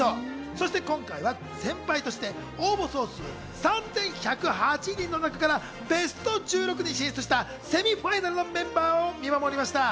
そして今回は先輩として応募総数３０１８人の中からベスト１６に進出したセミファイナルのメンバーたちを見守りました。